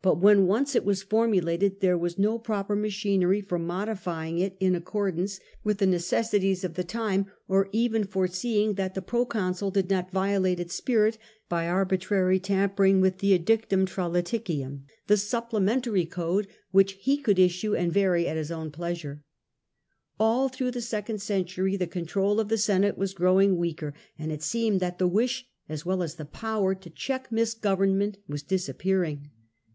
But when once it was formulated, there was no proper machinery for modir^ing it in accordance with the neces MISGOVERNMENT OF THE PROCONSULS f sities of tlie times, or even for seeing tliat the proconsful did not violate its spirit by arbitrary tampering with the edictum tmlaticium, the siipplementary code which h© could issue and vary at his own pleasure. All through the second century the control of the Senate was growing weaker, and it seemed that the wish as well as the power to check misgovernment was disappearing.